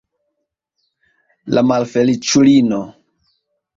La malfeliĉulino!